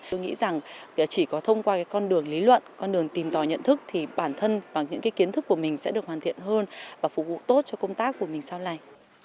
tôi nghĩ rằng chỉ có thông qua con đường lý luận con đường tìm tòi nhận thức thì bản thân và những kiến thức của mình sẽ được hoàn thiện hơn và phục vụ tốt cho công tác của mình sau này